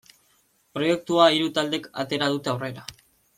Proiektua hiru taldek atera dute aurrera.